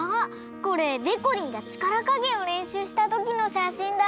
これでこりんがちからかげんをれんしゅうしたときのしゃしんだ。